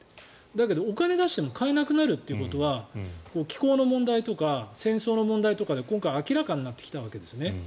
だけど、お金を出しても買えなくなるというのは気候の問題とか戦争の問題とかで明らかになってきたんですね。